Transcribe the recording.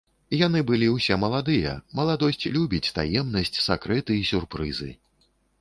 Яны былі ўсе маладыя, маладосць любіць таемнасць, сакрэты і сюрпрызы.